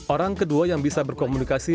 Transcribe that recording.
orang kedua yang bisa berkomunikasi